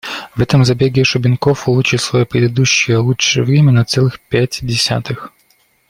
В этом забеге Шубенков улучшил своё предыдущее лучшее время на целых пять десятых.